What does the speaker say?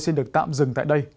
xin được tạm dừng tại đây